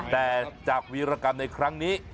แต่จากวีรกรรมในครั้งนี้